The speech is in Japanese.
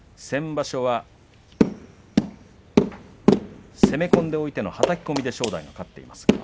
先場所は攻め込んでおいてのはたき込みで正代、勝っています。